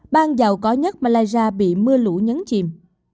bang giàu có nhất malaysia bị mưa lũ nhấn chìm